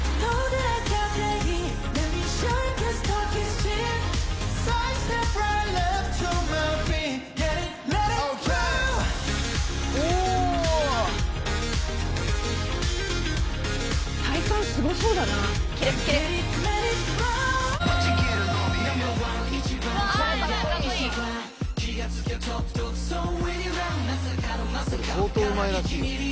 「これ相当うまいらしいね」